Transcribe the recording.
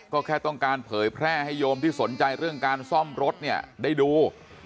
ก็แค่ต้องการเผยแพร่ให้โยมที่สนใจเรื่องการซ่อมรถเนี่ยได้ดู